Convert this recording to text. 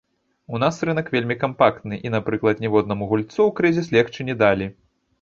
У нас рынак вельмі кампактны, і, напрыклад, ніводнаму гульцу ў крызіс легчы не далі.